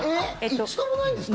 一度もないんですか？